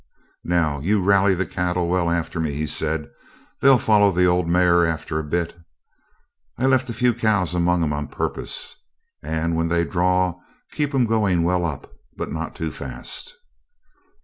'Now, you rally the cattle well after me,' he said; 'they'll follow the old mare after a bit. I left a few cows among 'em on purpose, and when they "draw" keep 'em going well up, but not too fast.'